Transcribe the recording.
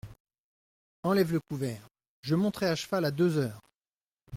Enlève le couvert ; je monterai à cheval à deux heures.